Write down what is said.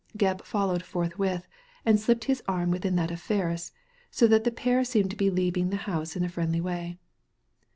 Gebb followed forthwith, and slipped his arm within that of Ferris, so that the pair seemed to be leaving the house in a friendly way.